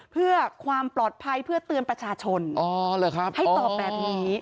เพื่อความปลอดภัยเพื่อเตือนประชาชนอ๋อหรือครับให้ตอบแบบนี้อ๋อ